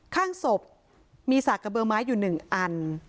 ข้างศพมีสากกระเบอร์ไม้อยู่๑อัน